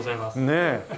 ねえ。